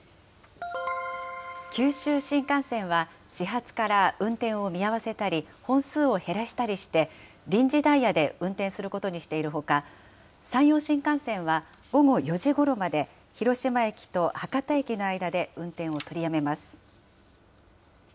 九州新幹線は、始発から運転を見合わせたり、本数を減らしたりして、臨時ダイヤで運転することにしているほか、山陽新幹線は午後４時ごろまで広島駅と博多駅の間で運転を取りやめます。